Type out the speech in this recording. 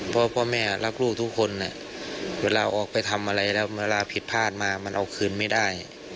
เพราะพ่อแม่รักลูกทุกคนเวลาออกไปทำอะไรแล้วเวลาผิดพลาดมามันเอาคืนไม่ได้